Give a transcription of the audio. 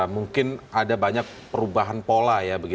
mungkin ada banyak perubahan pola ya